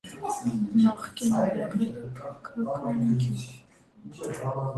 Նախկինում եղել է թուրքական գյուղ։